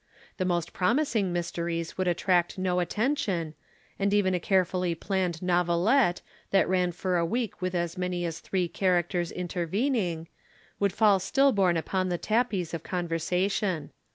The most promising mysteries would attract no attention, and even a carefully planned novelette, that ran for a week with as many as three characters intervening, would fall still born upon the tapis of conversation.